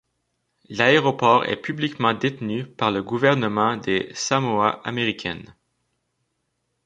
L'aéroport est publiquement détenu par le gouvernement des Samoa américaines.